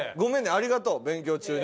ありがとう勉強中に。